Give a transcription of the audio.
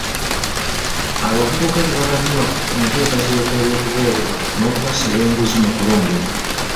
Abavubuka tebaganyulwa mu nteekateeka olw'okuboolebwa n'okubasaba enguzi mu kulondebwa.